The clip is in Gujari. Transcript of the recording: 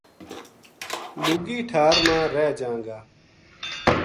لُگی ٹھار ما رہ جاں گا‘‘